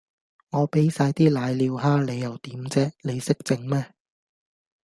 我畀曬啲攋尿蝦你又點啫，你識整咩